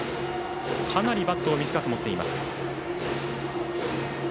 かなりバットを短く持っています。